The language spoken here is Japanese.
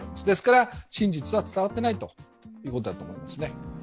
ですから真実は伝わっていないということだと思いますね。